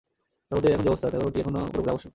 জগতের এখন যে অবস্থা, তাতে ওটি এখনও পুরোপুরি আবশ্যক।